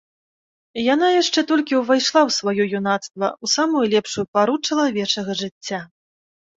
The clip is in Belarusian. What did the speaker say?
Яна яшчэ толькі ўвайшла ў сваё юнацтва, у самую лепшую пару чалавечага жыцця.